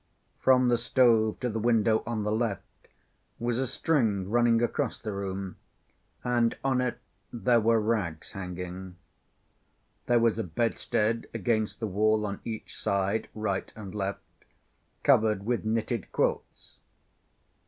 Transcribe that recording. From the stove to the window on the left was a string running across the room, and on it there were rags hanging. There was a bedstead against the wall on each side, right and left, covered with knitted quilts.